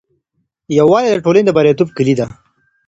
یووالي د ټولني د بریالیتوب کیلي ده.